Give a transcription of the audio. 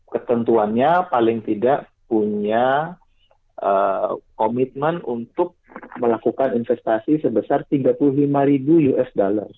ketentuannya paling tidak punya komitmen untuk melakukan investasi sebesar tiga puluh lima ribu usd